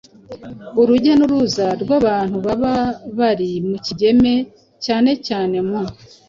urujya n’uruza rw’abantu baba bari ku Kigeme cyane cyane mu